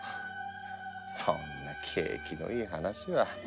そんなケイキのいい話は。